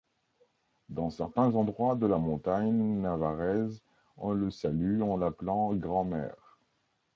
Dans certains endroits de la montagne navarraise on le salue en l'appelant grand-mère.